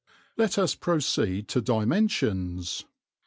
Let us proceed to dimensions.